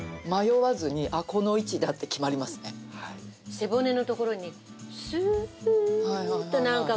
背骨のところにスーッとなんかこう。